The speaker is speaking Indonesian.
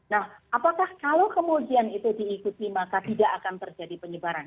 nah apakah kalau kemudian itu diikuti maka tidak akan terjadi penyebaran